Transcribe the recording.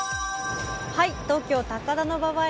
東京・高田馬場駅